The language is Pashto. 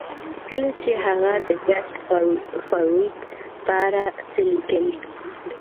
کله چې هغه د ګس فارویک په اړه څه لیکي